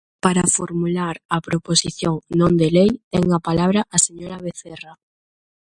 Para formular a proposición non de lei ten a palabra a señora Vecerra.